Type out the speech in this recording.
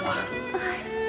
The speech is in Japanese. はい。